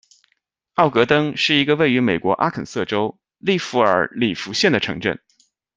奥格登是一个位于美国阿肯色州利特尔里弗县的城镇。